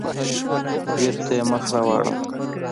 بېرته يې مخ راواړاوه.